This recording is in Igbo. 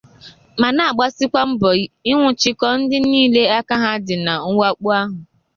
ma na-agbasikwa mbọ ịnwụchikọ ndị niile aka ha dị na mwakpo ahụ.